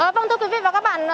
vâng thưa quý vị và các bạn